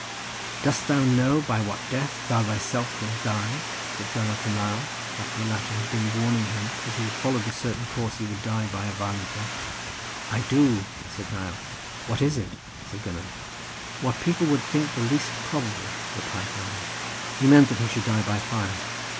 "Dost thou know by what death thou thyself will die?" said Gunnar to Nial, after the latter had been warning him that if he followed a certain course he would die by a violent death. "I do," said Nial. "What is it?" said Gunnar. "What people would think the least probable," replied Nial. He meant that he should die by fire.